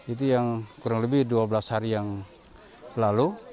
itu yang kurang lebih dua belas hari yang lalu